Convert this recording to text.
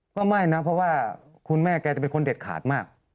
ก็ไม่นะเพราะว่าคุณแม่แกจะเป็นคนเด็ดขาดมาก